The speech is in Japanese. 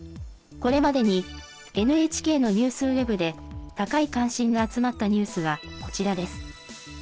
これまでにＮＨＫのニュースウェブで高い関心が集まったニュースはこちらです。